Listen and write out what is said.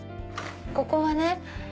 ここはね